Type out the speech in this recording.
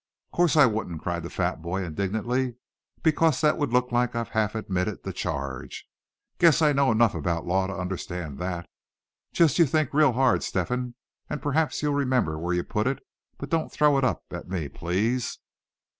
"Course I wouldn't!" cried the fat boy, indignantly; "because that'd look like I half admitted the charge. Guess I know enough about law to understand that. Just you think real hard, Step hen, and p'raps you'll remember where you put it; but don't throw it up at me, please."